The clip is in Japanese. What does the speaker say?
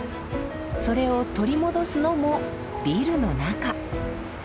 それを取り戻すのもビルの中。